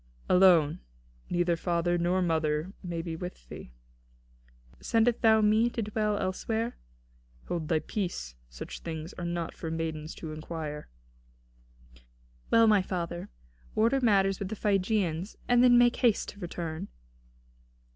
"Alone; neither father nor mother may be with thee." "Sendest thou me to dwell elsewhere?" "Hold thy peace: such things are not for maidens to inquire." "Well, my father, order matters with the Phrygians, and then make haste to return."